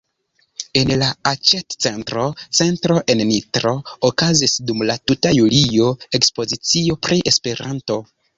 En la aĉetcentro "Centro" en Nitro okazis dum la tuta julio ekspozicio pri Esperanto.